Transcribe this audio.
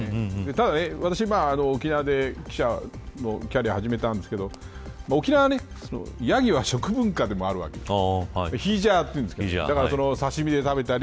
ただ、私は沖縄で貴社のキャリアを始めたんですけど沖縄はヤギは食文化でもあるわけです。